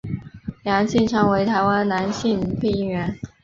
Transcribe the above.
梁兴昌为台湾男性配音员。